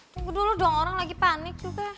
tunggu dulu dong orang lagi panik juga